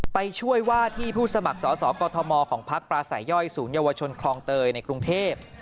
ไปช่วยว่าที่ผู้สมัครสอสอกอทมของพักปลาสายย่อยศูนยวชนคลองเตยในกรุงเทพ